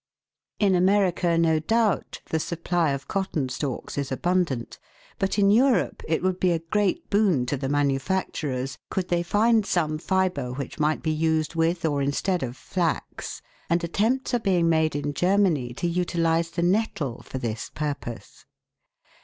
In America, no doubt, the supply of cotton stalks is abundant, but in Europe it would be a great boon to the manufacturers could they find some fibre which might be used with or instead of flax, and attempts are being made in Germany to utilise the nettle for this purpose.